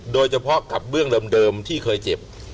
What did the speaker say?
โดยเฉพาะกับเบื้องเดิมที่เคยเจ็บ